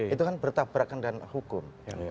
itu kan bertabrakan dan hukum